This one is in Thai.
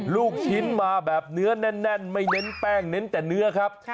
ลูกชิ้นมาแบบเนื้อแน่นไม่เน้นแป้งเน้นแต่เนื้อครับ